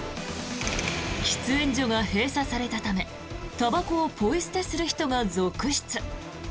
喫煙所が閉鎖されたためたばこをポイ捨てする人が続出。